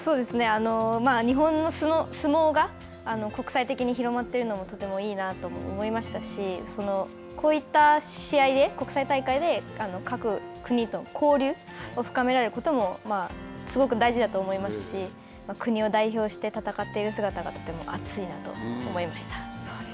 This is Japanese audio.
日本の相撲が国際的に広まっているのも、とてもいいなと思いましたし、こういった試合で、国際大会で、各国と交流を深められることも、すごく大事だと思いますし国を代表して戦っている姿が、とても熱いなと思いました。